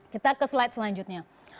kita ke slide selanjutnya